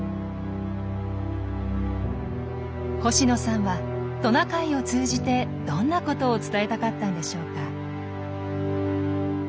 星野さんはトナカイを通じてどんなことを伝えたかったんでしょうか。